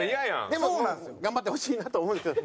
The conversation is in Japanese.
でも頑張ってほしいなとは思うんですよ。